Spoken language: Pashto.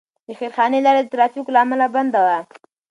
د خیرخانې لاره د ترافیکو له امله بنده وه.